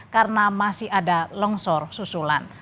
karena masih ada longsor susulan